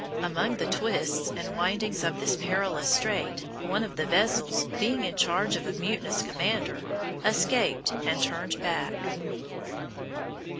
Among the twists and windings of this perilous strait, one of the vessels, being in charge of a mutinous commander, escaped and turned back.